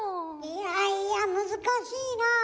いやいや難しいなあ。